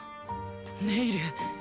ネイル。